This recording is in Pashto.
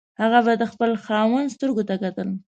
هغه به د خپل خاوند سترګو ته کتل.